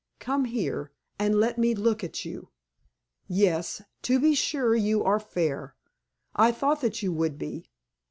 Come here, and let me look at you. Yes, to be sure, you are fair. I thought that you would be.